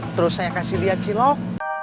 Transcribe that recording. terus saya kasih lihat cilok